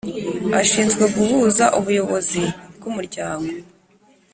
Ashinzwe guhuza ubuyobozi bw umuryango